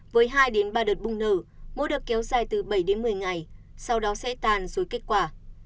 với hai ba đợt bung nở mỗi đợt kéo dài từ bảy một mươi ngày sau đó sẽ tàn dối kết quả